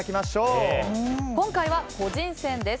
今回は個人戦です。